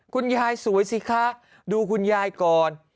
คุณยายสวยสิคะดูคุณยายก่อน